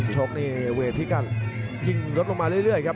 โชคนี้เวทิกัลพิ่งรถลงมาเรื่อยครับ